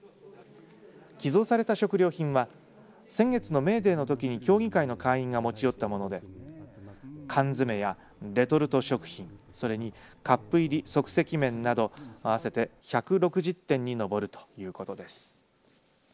寄贈された食料品は先月のメーデーのときに協議会の会員が持ち寄ったもので缶詰や、レトルト食品それにカップ入り即席麺など合わせて１６０点に上るということです。